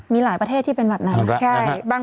มีหลายประเทศที่เป็นแบบนั้น